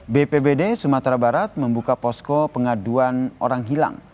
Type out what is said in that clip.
bpbd sumatera barat membuka posko pengaduan orang hilang